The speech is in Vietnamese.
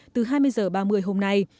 từ hai mươi h ba mươi hôm nay